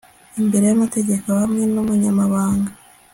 imbere y amategeko hamwe n umunyamabanga